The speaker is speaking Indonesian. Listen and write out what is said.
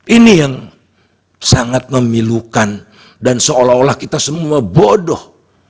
ini yang sangat memilukan dan seolah olah kita semua bodoh